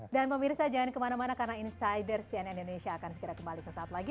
dan pemirsa jangan kemana mana karena insider cnn indonesia akan segera kembali sesaat lagi